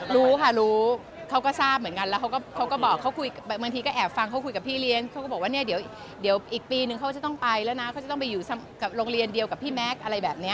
รู้ค่ะรู้เขาก็ทราบเหมือนกันแล้วเขาก็บอกเขาคุยบางทีก็แอบฟังเขาคุยกับพี่เลี้ยงเขาก็บอกว่าเนี่ยเดี๋ยวอีกปีนึงเขาจะต้องไปแล้วนะเขาจะต้องไปอยู่กับโรงเรียนเดียวกับพี่แม็กซ์อะไรแบบนี้